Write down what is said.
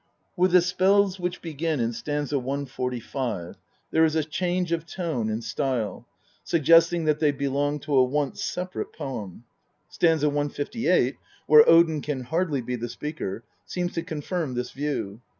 With the spells which begin in st. 145 there is change of tone and style, suggesting that they belong to a once separate poem. St. 158, where Odin can hardly be the speaker, seems to confirm this view.